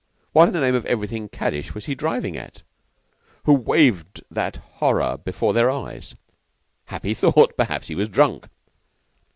What, in the name of everything caddish, was he driving at, who waved that horror before their eyes? Happy thought! Perhaps he was drunk.